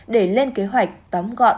để lên kế hoạch tóm gọn